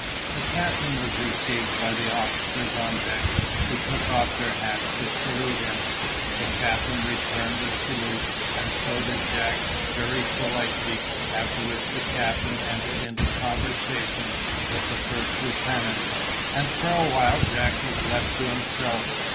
The captain was received by the officers on deck, who took off their hats to salute him. The captain returned the salute, and so did Jack very politely, after which the captain entered into conversation with the first lieutenant, and for awhile Jack was left to himself.